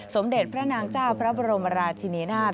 สมเด็จพระนางเจ้าพระบรมราชินีนาฏ